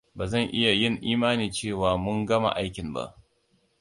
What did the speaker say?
Ba zan iya yin imani cewa mun gama aikin ba.